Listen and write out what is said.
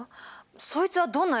そいつはどんなやつだ？